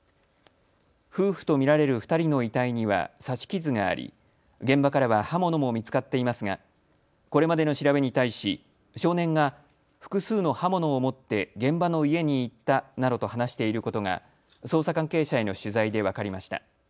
夫婦と見られる２人の遺体には刺し傷があり現場からは刃物も見つかっていますがこれまでの調べに対し少年が複数の刃物を持って現場の家に行ったなどと話していることが捜査関係者への取材で分かりました。